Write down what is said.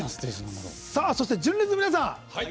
そして、純烈の皆さん。